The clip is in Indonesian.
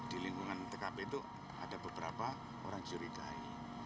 di lingkungan tkp itu ada beberapa orang curi kai